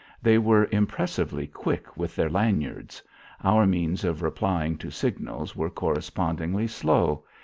They were impressively quick with their lanyards; our means of replying to signals were correspondingly slow.